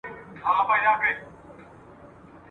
د تعلیم شتون د کلیوالي پروژو ملاتړ ډېروي.